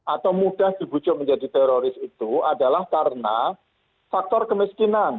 atau mudah dibujuk menjadi teroris itu adalah karena faktor kemiskinan